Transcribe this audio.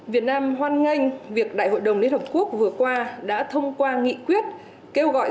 việt nam hoan nghênh việc đại hội đồng liên hợp quốc vừa qua đã thông qua nghị quyết kêu gọi